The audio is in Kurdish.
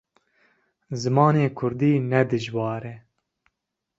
Zimanê Kurdî ne dijwar e.